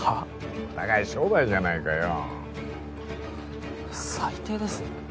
お互い商売じゃないかよ最低ですね